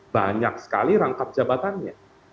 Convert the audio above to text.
banyak sekali rangkap jabatannya